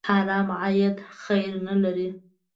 حرام عاید خیر نه لري.